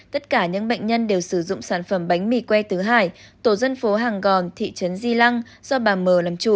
tất cả những bệnh nhân đều sử dụng sản phẩm bánh mì que tứ hải tổ dân phố hàng gòn thị trấn di lăng do bà mờ làm chủ